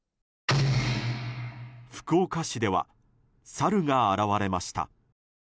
福岡市ではサルが現れました。